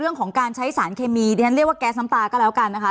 เรื่องของการใช้สารเคมีดิฉันเรียกว่าแก๊สน้ำตาก็แล้วกันนะคะ